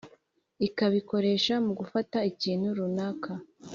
ikabikoresha mu gufata ikintu runaka